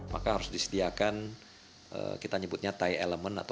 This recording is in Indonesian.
maka harus disediakan kita nyebutnya tie element